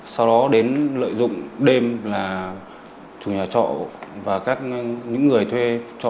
sau đó đến lợi dụng đêm là chủ nhà trọ và các người thuê